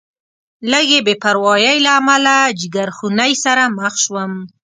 لږې بې پروایۍ له امله جیګرخونۍ سره مخ شوم.